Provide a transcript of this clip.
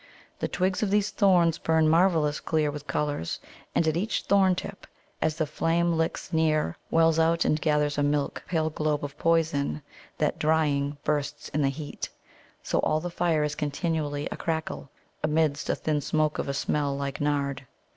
The twigs of these thorns burn marvellous clear with colours, and at each thorn tip, as the flame licks near, wells out and gathers a milk pale globe of poison that, drying, bursts in the heat. So all the fire is continually a crackle, amidst a thin smoke of a smell like nard.